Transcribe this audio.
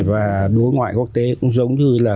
và đối ngoại quốc tế cũng giống như là